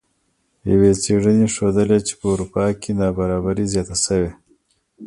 یوې څیړنې ښودلې چې په اروپا کې نابرابري زیاته شوې